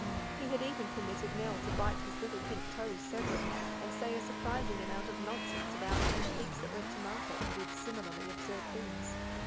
He had eyen permitted Nell to bite his little pink toes severally, and say a surprising amount of nonsense about little pigs that went to market and did similarly absurd things.